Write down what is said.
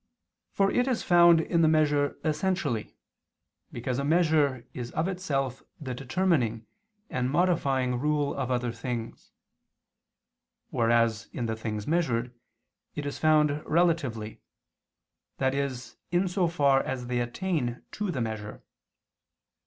For it is found in the measure essentially, because a measure is of itself the determining and modifying rule of other things; whereas in the things measured, it is found relatively, that is in so far as they attain to the measure.